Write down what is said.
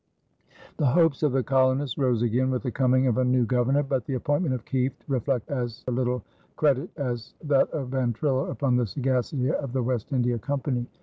The hopes of the colonists rose again with the coming of a new governor; but the appointment of Kieft reflected as little credit as that of Van Twiller upon the sagacity of the West India Company.